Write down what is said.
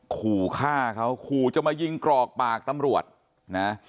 ขู่ฆ่าเขาขู่จะมายิงกรอกปากตำรวจนะ